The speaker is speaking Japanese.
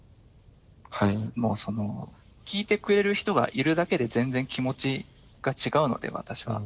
もう聞いてくれる人がいるだけで全然気持ちが違うので私は。